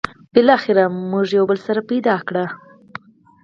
بالاخره مو یو بل سره پيدا کړل.